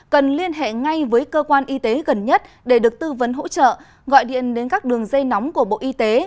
cần liên hệ ngay với cơ quan y tế gần nhất để được tư vấn hỗ trợ gọi điện đến các đường dây nóng của bộ y tế